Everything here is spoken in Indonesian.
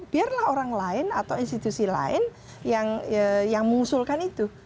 biarlah orang lain atau institusi lain yang mengusulkan itu